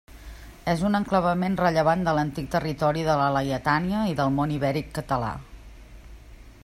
És un enclavament rellevant de l'antic territori de la Laietània i del món ibèric català.